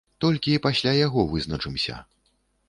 Толькі пасля яго вызначымся.